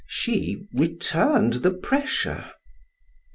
She returned the pressure.